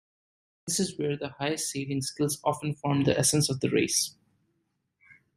This is where the highest sailing skills often form the essence of the race.